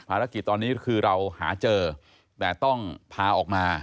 ภารกิจตอนนี้คือเราหาเจอแต่ต้องพาออกมา